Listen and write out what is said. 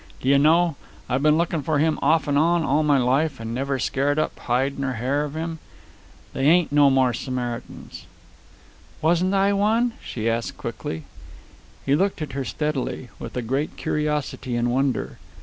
D'ye know, I've been looking for him off 'n on all my life, and never scared up hide nor hair of him. They ain't no more Samaritans." "Wasn't I one!" she asked quickly. He looked at her steadily, with a great curiosity and wonder.